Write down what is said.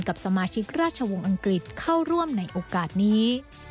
กับสมาชิกราชวงศ์อังกฤษเข้าร่วมในโอกาสนี้